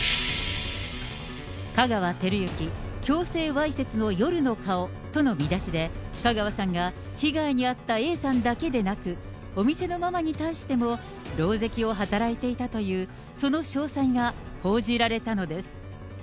香川照之強制ワイセツの夜の顔との見出しで、香川さんが被害に遭ったＡさんだけでなく、お店のママに対しても狼藉を働いていたと、その詳細が報じられたのです。